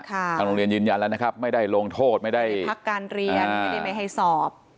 ทางโรงเรียนยืนยันแล้วนะครับไม่ได้ลงโทษไม่ได้พักการเรียนไม่ได้ไม่ให้สอบ